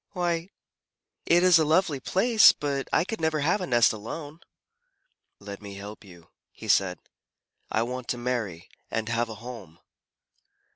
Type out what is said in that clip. "Why, it is a lovely place, but I could never have a nest alone." "Let me help you," he said. "I want to marry and have a home."